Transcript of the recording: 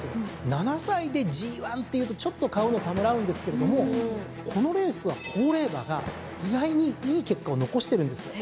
７歳でＧⅠっていうとちょっと買うのためらうんですけれどもこのレースは高齢馬が意外にいい結果を残してるんですよ。